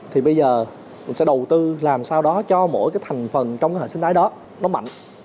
thì bây giờ sẽ đầu tư làm sao đó cho mỗi cái thành phần trong cái hệ sinh thái đó nó mạnh